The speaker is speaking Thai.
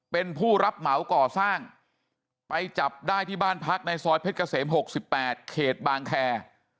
เป็นผู้รับเหมาก่อสร้างไปจับได้ที่บ้านพักในซอยเพชรเกษม๖๘เขตบางแคร์